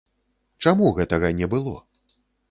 Чаму гэтага не было?